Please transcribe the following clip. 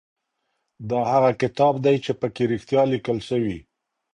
دا هغه کتاب دی چي په کي رښتیا لیکل سوي.